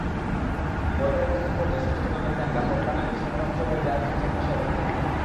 পোর্টে অবস্থানরত সচেতন আমেরিকানরা পদ্মা নামের সমরাস্ত্রবাহী জাহাজটির চারপাশে অবস্থান নেন।